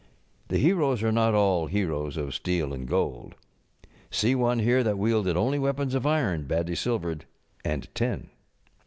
The heroes are not all heroes of steel and gold. See one here that wielded only weapons of iron, badly silvered, and tin.